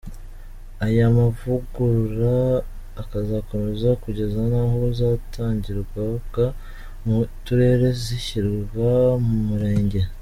Aya mavugurura akazakomeza kugeza n’aho izatangirwaga mu turere zishyirwa mu mirenge.